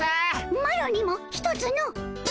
マロにもひとつの！